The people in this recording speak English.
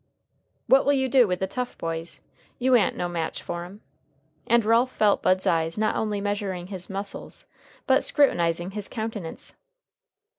"What will you do with the tough boys? You a'n't no match for 'em." And Ralph felt Bud's eyes not only measuring his muscles, but scrutinizing his countenance.